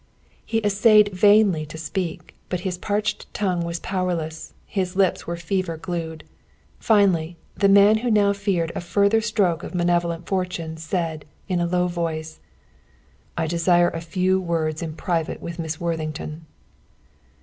He essayed vainly to speak, but his parched tongue was powerless, his lips were fever glued. Finally, the man who now feared a further stroke of malevolent fortune, said, in a low voice, "I desire a few words in private with Miss Worthington."